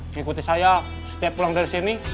mengikuti saya setiap pulang dari sini